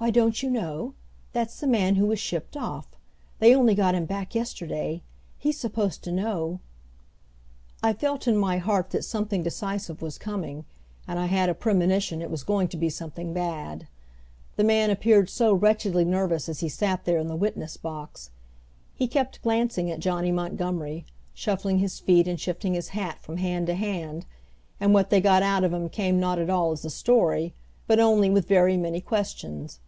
"Why, don't you know? That's the man who was shipped off. They only got him back yesterday. He's supposed to know " I felt in my heart that something decisive was coming, and I had a premonition it was going to be something bad; the man appeared so wretchedly nervous as he sat there in the witness box. He kept glancing at Johnny Montgomery, shuffling his feet and shifting his hat from hand to hand and what they got out of him came not at all as a story, but only with very many questions.